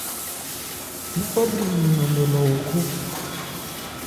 Yípɔ bhri lu nnanmɛ lɔ o khó.